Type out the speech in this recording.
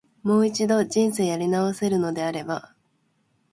もう一度、人生やり直せるのであれば、